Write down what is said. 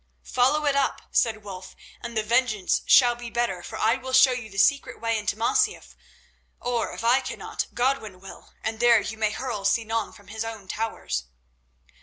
"Follow it up," said Wulf, "and the vengeance shall be better, for I will show you the secret way into Masyaf—or, if I cannot, Godwin will—and there you may hurl Sinan from his own towers."